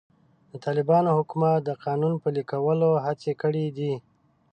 د طالبانو حکومت د قانون پلي کولو هڅې کړې دي.